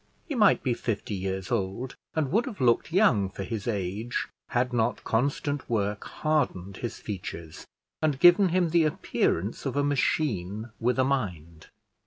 He might be fifty years old, and would have looked young for his age, had not constant work hardened his features, and given him the appearance of a machine with a mind.